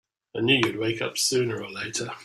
I knew you'd wake up sooner or later!